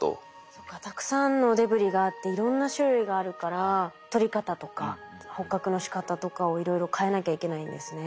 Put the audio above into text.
そっかたくさんのデブリがあっていろんな種類があるからとり方とか捕獲のしかたとかをいろいろ変えなきゃいけないんですね。